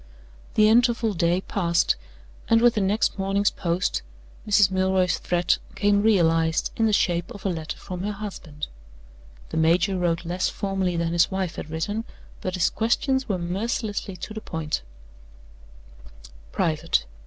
The interval day passed, and with the next morning's post Mrs. Milroy's threat came realized in the shape of a letter from her husband. The major wrote less formally than his wife had written, but his questions were mercilessly to the point: ["Private."